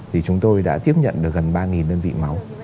thì chúng tôi đã tiếp nhận được gần ba đơn vị máu